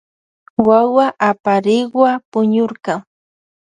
Wawa aparikwa puñurka.